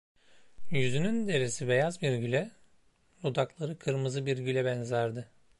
Yüzünün derisi beyaz bir güle, dudakları kırmızı bir güle benzerdi.